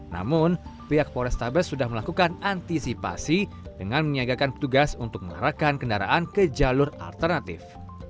namun pihak polrestabes sudah melakukan antisipasi dengan menyiagakan petugas untuk mengarahkan kendaraan ke jalur alternatif